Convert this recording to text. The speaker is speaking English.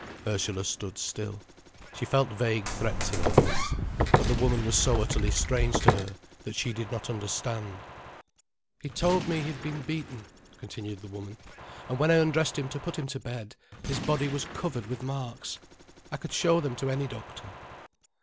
Ursula stood still. She felt vague threats in all this. But the woman was so utterly strange to her, that she did not understand. "He told me he had been beaten," continued the woman, "and when I undressed him to put him to bed, his body was covered with marks—I could show them to any doctor."